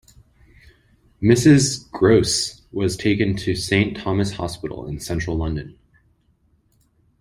Mrs Groce was taken to Saint Thomas' Hospital in central London.